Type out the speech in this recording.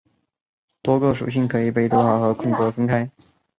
多个属性可以被逗号和空格分开。